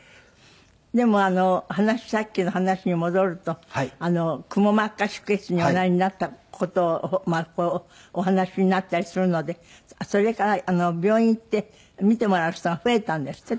でもさっきの話に戻るとくも膜下出血におなりになった事をお話しになったりするのでそれから病院行って診てもらう人が増えたんですって？